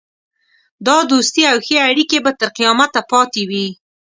دا دوستي او ښې اړېکې به تر قیامته پاته وي.